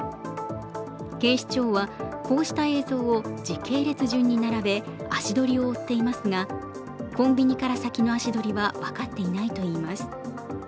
警視庁はこうした映像を時系列順に並べ、足取りを追っていますがコンビニから先の足取りは分かっていないといいます。